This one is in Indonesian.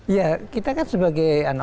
iya kita kan sebagai